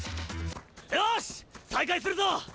よし再開するぞ！